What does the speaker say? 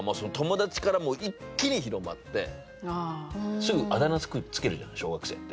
すぐあだ名付けるじゃん小学生って。